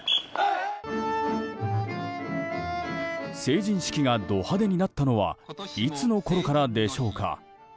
成人式がド派手になったのはいつのころからでしょうか。